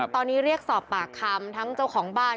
ตอนนี้เรียกสอบปากคำทั้งเจ้าของบ้าน